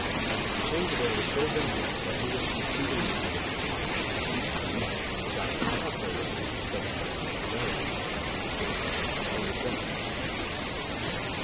The change of air was so beneficial that Louis speedily recovered his senses. At least, the doctors thought so when he was discovered trying to make his elegant (escape); and he was sent back to stir.